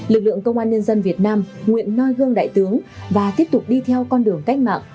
lực lượng công an nhân dân việt nam nguyện noi gương đại tướng và tiếp tục đi theo con đường cách mạng